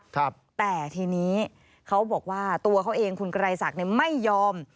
แต่ทีนี้เขาบอกว่าตัวเขาเองคุณไกรศักดิ์เนี่ยไม่ยอม